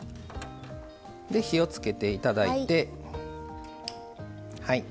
火を付けていただいて。